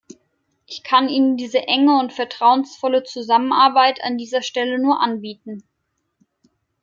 Ich kann Ihnen diese enge und vertrauensvolle Zusammenarbeit an dieser Stelle nur anbieten.